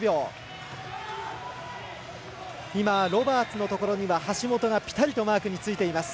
今、ロバーツのところには橋本がぴたりとマークについています。